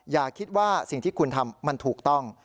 อย่าคิดว่าสิ่งที่คุณทำมันถูกต้อง